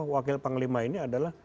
wakil panglima ini adalah